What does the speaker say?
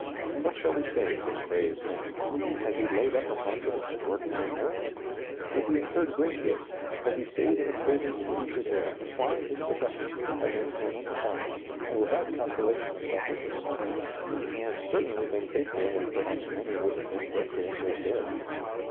What shall we say of this brave man ; has he laid up a fund of extraordinary merit? He has incurred great risk, he has stayed in a poisoned, putrid air, pl)'ing his profession, against momentous odds, and without calculation of self interest ; he has certainly been faithful when per haps many would have been recreant or derelict.